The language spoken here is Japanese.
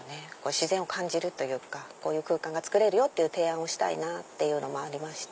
自然を感じるというかこういう空間がつくれるよ！って提案をしたいなっていうのもありまして。